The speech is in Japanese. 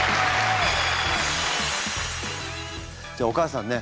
じゃあお母さんね